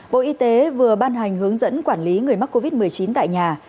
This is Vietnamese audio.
bộ y tế vừa ban hành hướng dẫn quản lý người mắc covid một mươi chín tại nhà